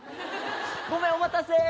ごめんお待たせ！